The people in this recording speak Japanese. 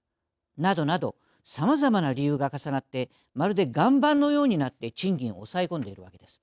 などなどさまざまな理由が重なってまるで岩盤のようになって賃金を抑え込んでいるわけです。